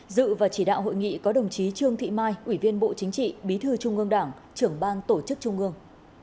dự và chỉ đạo hội nghị có đồng chí trương thị mai ủy viên bộ chính trị bí thư trung ương đảng trưởng ban tổ chức trung ương